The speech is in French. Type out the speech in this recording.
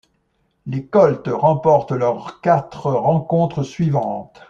Les Colts remportent leurs quatre rencontres suivantes.